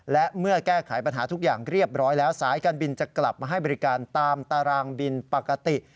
และเมื่อแก้ไขปัญหาทุกอย่างเรียบร้อยแล้วสายการบินจะกลับมาให้บริการตามตารางบินปกติ